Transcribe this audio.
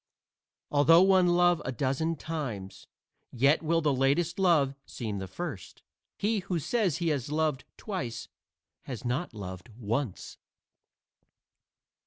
Although one love a dozen times, yet will the latest love seem the first. He who says he has loved twice has not loved once.